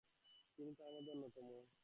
তিনি তার মধ্যে অন্যতম।